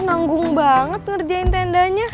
nanggung banget ngerjain tendanya